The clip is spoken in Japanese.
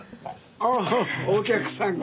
ああお客さんか。